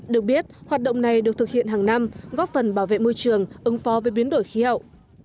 được biết hoạt động này được thực hiện hàng năm góp phần bảo vệ môi trường ứng phó với biến đổi khí hậu